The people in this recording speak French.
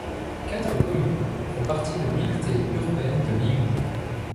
Quatre communes font partie de l'unité urbaine de Limoux.